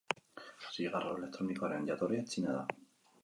Zigarro elektronikoaren jatorria Txina da.